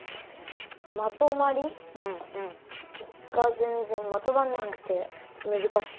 まとまり？がぜんぜんまとまらなくてむずかしい。